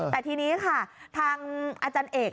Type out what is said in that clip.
แต่ทีนี้ค่ะทางอาจารย์เอก